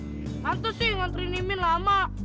tante sih yang nganterin min lama